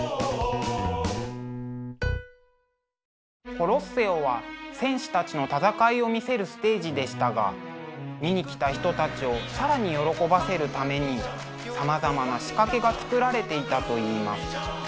コロッセオは戦士たちの戦いを見せるステージでしたが見に来た人たちを更に喜ばせるためにさまざまな仕掛けがつくられていたといいます。